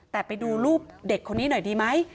แต่ไปดูรูปเด็กคนนี้หน่อยดีไหม